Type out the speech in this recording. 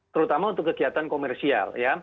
terutama untuk kegiatan komersial